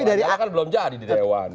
karena kan belum jadi di dewan